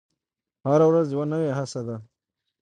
هره ورځ یوه نوې هڅه ده.